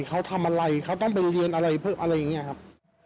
เค้าทำอะไรเค้าต้องไปเรียนอาหล่นนี้ครับ